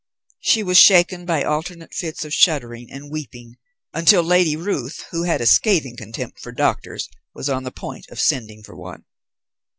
She was shaken by alternate fits of shuddering and weeping, until Lady Ruth, who had a scathing contempt for doctors, was on the point of sending for one.